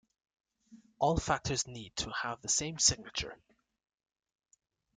All factors need to have the same signature.